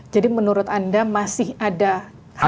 jadi menurut anda masih ada harapan